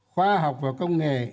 khoa học và công nghệ